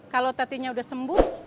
kalau tatinya udah sembuh